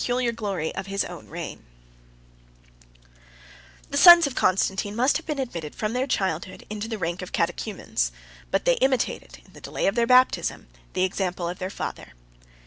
] The sons of Constantine must have been admitted from their childhood into the rank of catechumens; but they imitated, in the delay of their baptism, the example of their father.